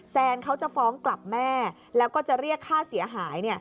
เขาจะฟ้องกลับแม่แล้วก็จะเรียกค่าเสียหาย